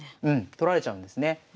うん取られちゃうんですね。